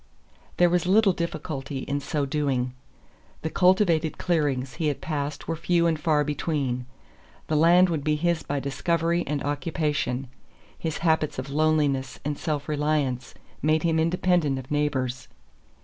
There was little difficulty in so doing. The cultivated clearings he had passed were few and far between; the land would be his by discovery and occupation; his habits of loneliness and self reliance made him independent of neighbors.